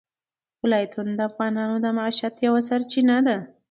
ولایتونه د افغانانو د معیشت یوه سرچینه ده.